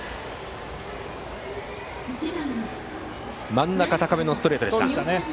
真ん中高めのストレートでした。